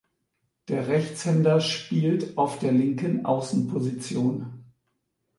Der Rechtshänder spielt auf der linken Außenposition.